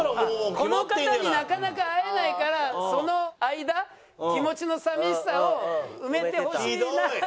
この方になかなか会えないからその間気持ちの寂しさを埋めてほしいな。